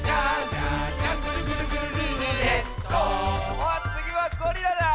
おっつぎはゴリラだ！